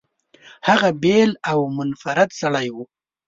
هغه بېل او منفرد سړی و.